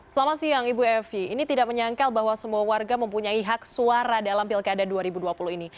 selamat siang ibu evi ini tidak menyangkal bahwa semua warga mempunyai hak suara dalam pilkada dua ribu dua puluh ini